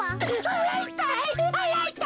あらいたい！